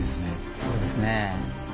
そうですね。